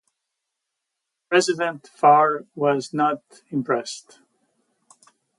President Faure was not impressed.